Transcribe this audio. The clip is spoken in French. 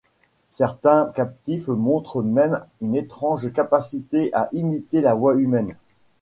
Certains captifs montrent même une étrange capacité à imiter la voix humaine.